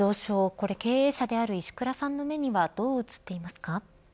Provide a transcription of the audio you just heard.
これ経営者である石倉さんの目にはどう映っていますか。